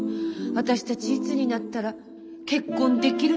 私たちいつになったら結婚できるのかしら。